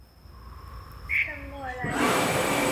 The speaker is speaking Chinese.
圣莫兰。